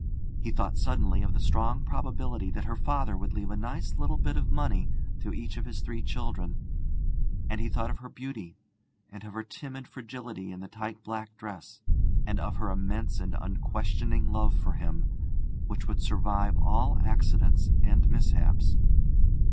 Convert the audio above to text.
He thought suddenly of the strong probability that her father would leave a nice little bit of money to each of his three children; and he thought of her beauty, and of her timid fragility in the tight black dress, and of her immense and unquestioning love for him, which would survive all accidents and mishaps.